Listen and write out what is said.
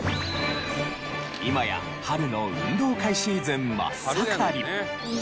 今や春の運動会シーズン真っ盛り。